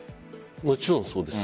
もちろんそうです。